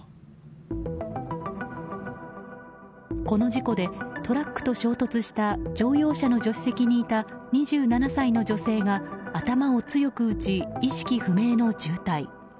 この事故でトラックと衝突した乗用車の助手席にいた２７歳の女性が頭を強く打ち意識不明の重体。